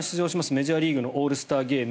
メジャーリーグのオールスターゲーム